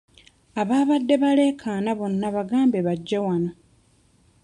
Ababadde baleekaana bonna bagambe bajje wano.